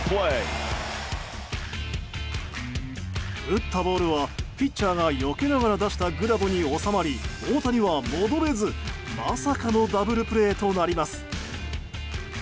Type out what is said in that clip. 打ったボールは、ピッチャーがよけながら出したグラブに収まり大谷は戻れず、まさかのダブルプレーとなります。